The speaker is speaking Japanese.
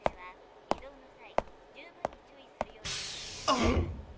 あっ！